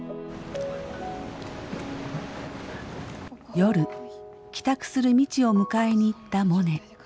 夜帰宅する未知を迎えに行ったモネ。